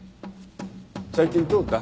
最近どうだ？